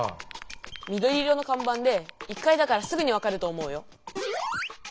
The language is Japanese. みどり色のかんばんで１かいだからすぐに分かると思うよ。